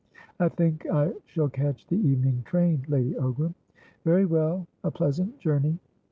"I think I shall catch the evening train, Lady Ogram." "Very well. A pleasant journey!"